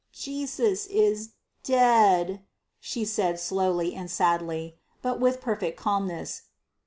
"Jesus is dead," she said, slowly and sadly, but with perfect calmness.